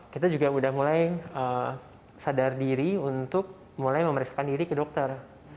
kita juga udah mulai sadar diri untuk mulai memeriksakan diri ke dokter